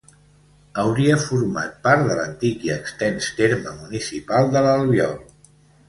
Hauria format part de l'antic i extens terme municipal de l'Albiol.